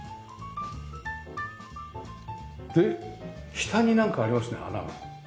で下になんかありますね穴が。